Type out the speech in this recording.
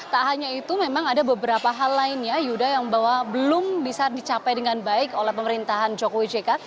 tak hanya itu memang ada beberapa hal lainnya yuda yang bahwa belum bisa dicapai dengan baik oleh pemerintahan jokowi jk